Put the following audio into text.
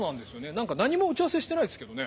何か何も打ち合わせしてないんですけどね。